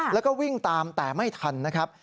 แล้วก็วิ่งตามแต่ไม่ทันนะครับ